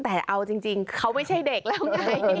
แต่เอาจริงเขาไม่ใช่เด็กแล้วไง